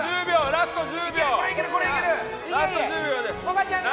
ラスト１０秒です。